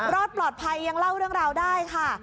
รอดปลอดภัยยังเล่าเรื่องราวได้ค่ะ